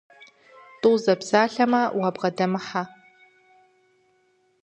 ТӀу зэпсалъэмэ, уабгъэдэмыхьэ.